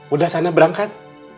udah sana berangkat